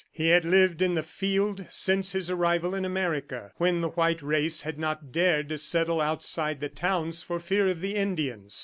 He had lived in the field since his arrival in America, when the white race had not dared to settle outside the towns for fear of the Indians.